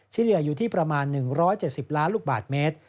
เฉลี่ยอยู่ที่ประมาณ๑๗๐ล้านลูกบาทเมตร